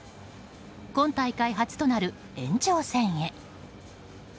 今大会初となる延長戦へ。